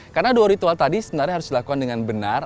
karena dua ritual tadi sebenarnya harus dilakukan dengan benar